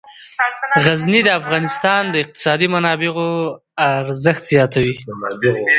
غزني د افغانستان د اقتصادي منابعو ارزښت زیاتوي.